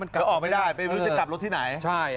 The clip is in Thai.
คือออกไม่ได้ไม่รู้จะกลับรถที่ไหน